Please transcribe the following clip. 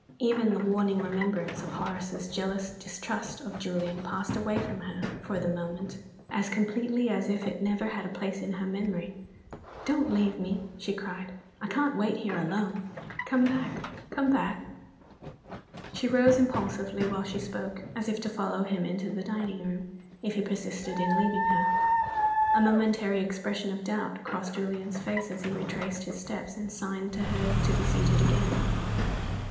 Even the warning remembrance of Horace's jealous distrust of Julian passed away from her, for the moment, as completely as if it never had a place in her memory. "Don't leave me!" she cried. "I can't wait here alone. Come back come back!" She rose impulsively while she spoke, as if to follow him into the dining room, if he persisted in leaving her. A momentary expression of doubt crossed Julian's face as he retraced his steps and signed to her to be seated a gain.